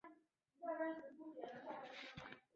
耶利瓦勒市是瑞典北部北博滕省的一个自治市。